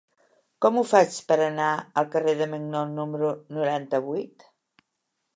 Com ho faig per anar al carrer de Maignon número noranta-vuit?